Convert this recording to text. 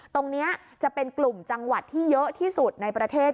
ตรงนี้จะเป็นกลุ่มจังหวัดที่เยอะที่สุดในประเทศ